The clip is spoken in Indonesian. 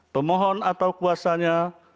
pemohon atau kuasanya